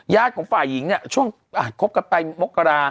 ของฝ่ายหญิงเนี่ยช่วงคบกันไปมกรา